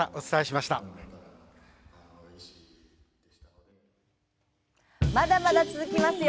まだまだ続きますよ。